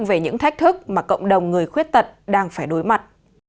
về những thách thức mà cộng đồng người khuyết tật đang phải đối mặt